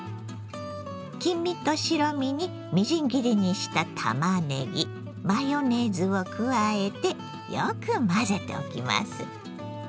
黄身と白身にみじん切りにしたたまねぎマヨネーズを加えてよく混ぜておきます。